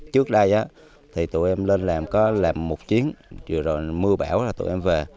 trước đây thì tụi em lên làm có làm một chiến rồi mưa bão là tụi em về